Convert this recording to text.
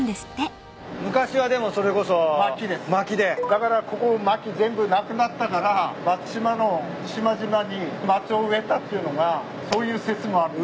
だからここまき全部なくなったから松島の島々に松を植えたっていうのがそういう説もある。